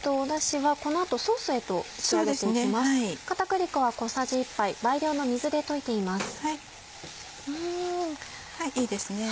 はいいいですね。